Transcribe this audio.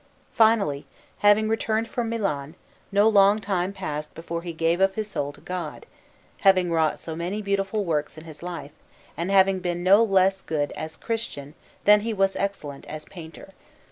Finally, having returned from Milan, no long time passed before he gave up his soul to God, having wrought so many most beautiful works in his life, and having been no less good as Christian than he was excellent as painter.